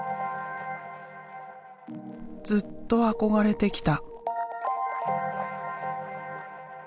ずっと憧れてきた。